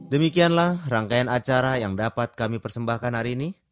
demikianlah rangkaian acara yang dapat kami persembahkan hari ini